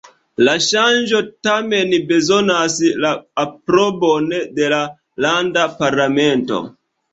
La ŝanĝo tamen bezonas la aprobon de la landa parlamento.